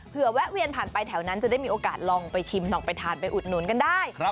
เพื่อแวะเวียนผ่านไปแถวนั้นจะได้มีโอกาสลองไปชิมลองไปทานไปอุดหนุนกันได้